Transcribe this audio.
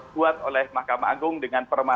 buat oleh mahkamah agung dengan perma